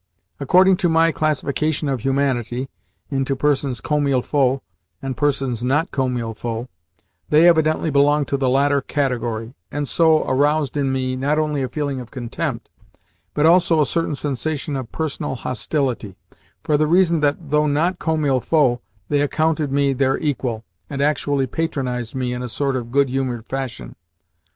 According to my classification of humanity, into persons "comme il faut" and persons not "comme il faut," they evidently belonged to the latter category, and so aroused in me not only a feeling of contempt, but also a certain sensation of personal hostility, for the reason that, though not "comme il faut," they accounted me their equal, and actually patronised me in a sort of good humoured fashion.